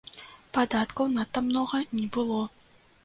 Падаткаў надта многа не было.